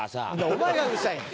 お前がうるさいの。